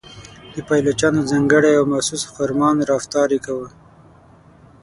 د پایلوچانو ځانګړی او مخصوص خرامان رفتار یې کاوه.